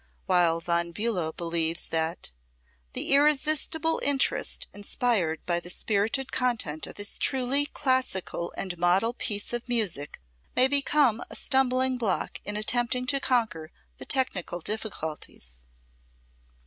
while Von Bulow believes that "the irresistible interest inspired by the spirited content of this truly classical and model piece of music may become a stumbling block in attempting to conquer the technical difficulties."